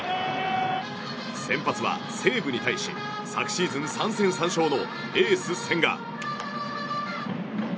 先発は、西武に対し昨シーズン３戦３勝のエース千賀。